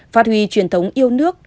phát huy truyền thống yêu nước